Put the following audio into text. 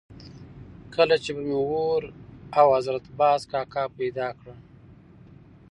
کله چې به مې اور او حضرت باز کاکا پیدا کړل.